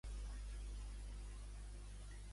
Què és una negociació lleial?